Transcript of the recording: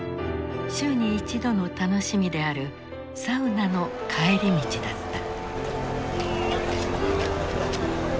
週に一度の楽しみであるサウナの帰り道だった。